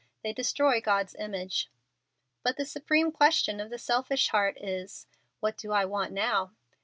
They destroy God's image. But the supreme question of the selfish heart is, "What do I want _now?